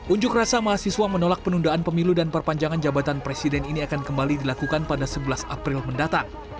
unjuk rasa mahasiswa menolak penundaan pemilu dan perpanjangan jabatan presiden ini akan kembali dilakukan pada sebelas april mendatang